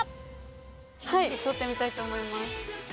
はい撮ってみたいと思います。